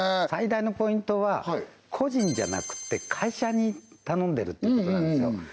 最大のポイントは個人じゃなくて会社に頼んでるってことなんですよ